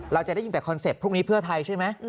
เราจะได้ยินแต่คอนเซ็ปต์พรุ่งนี้เพื่อไทยใช่ไหม